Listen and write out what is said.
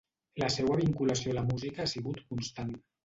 La seua vinculació a la música ha sigut constant.